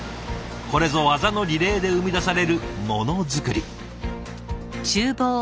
これぞ技のリレーで生み出されるモノづくり。